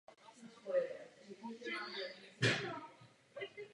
Na mistrovství světa se připravil velmi dobře a zaznamenal životní výsledek.